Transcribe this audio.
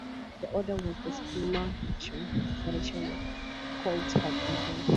The order was then Schumacher, Barrichello, Coulthard and Hill.